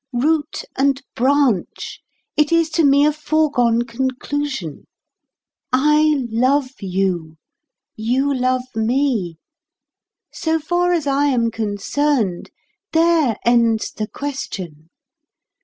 Root and branch, it is to me a foregone conclusion. I love you. You love me. So far as I am concerned, there ends the question.